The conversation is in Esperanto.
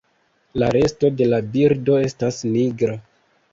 La resto de la birdo estas nigra.